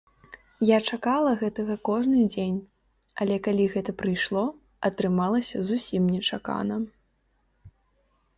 Я чакала гэтага кожны дзень, але калі гэта прыйшло, атрымалася зусім нечакана.